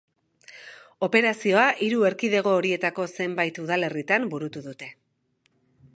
Operazioa hiru erkidego horietako zenbait udalerritan burutu dute.